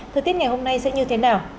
thời tiết ngày hôm nay sẽ như thế nào